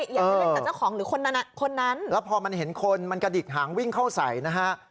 อยากจะเล่นกับเจ้าของหรือคนนั้นคนนั้นแล้วพอมันเห็นคนมันกระดิกหางวิ่งเข้าใส่นะฮะ